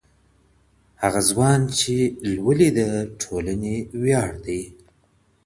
هغه ځوان چي لولي د ټولني وياړ دی.